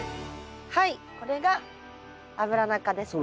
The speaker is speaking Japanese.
はいこれがアブラナ科ですね。